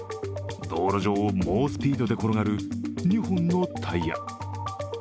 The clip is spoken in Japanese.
道路上を猛スピードで転がる２本のタイヤ。